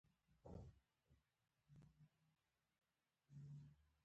کله چې موږ خپل هدف ته ورسېږو، هماغه خلک چې زموږ په ماتېدو یې